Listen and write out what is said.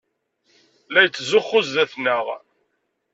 La yettzuxxu zdat-neɣ.